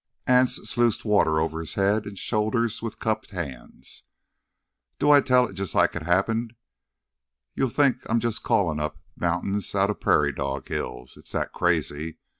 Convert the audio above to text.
Anse sluiced water over his head and shoulders with cupped hands. "Do I tell it jus' like it happened, you'll think I'm callin' up mountains outta prairie dog hills, it's that crazy.